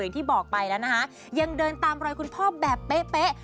ที่บอกไปแล้วนะคะยังเดินตามรอยคุณพ่อแบบเป๊ะ